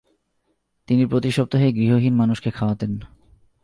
তিনি প্রতি সপ্তাহে গৃহহীন মানুষকে খাওয়াতেন।